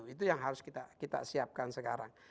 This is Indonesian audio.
itu yang harus kita siapkan sekarang